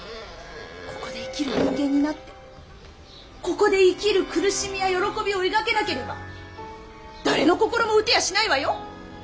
ここで生きる人間になってここで生きる苦しみや喜びを描けなければ誰の心も打てやしないわよ。